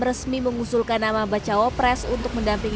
resmi mengusulkan nama bacawa pres untuk mendampingi